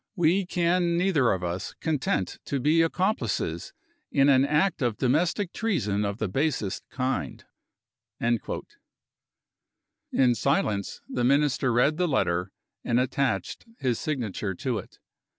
We can neither of us content to be accomplices in an act of domestic treason of the basest kind." In silence, the Minister read the letter, and attached his signature to it.